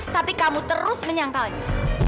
tapi kamu terus menyangkalnya